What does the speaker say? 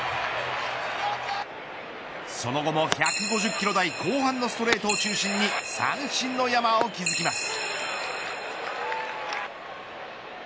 その後も１５０キロ台後半のストレートを中心に三振の山を築きます。